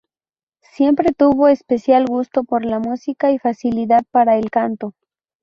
Siempre tuvo especial gusto por la música y facilidad para el canto.